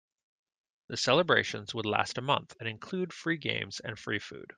The celebrations would last a month and include free games and free food.